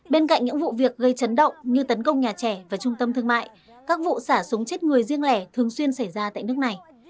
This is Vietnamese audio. bên cạnh những vụ việc gây chấn động như tấn công nhà trẻ và trung tâm thương mại các vụ xả súng chết người riêng lẻ thường xuyên xảy ra tại nước này